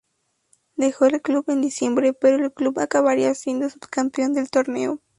Dejó el club en diciembre, pero el club acabaría siendo subcampeón del torneo.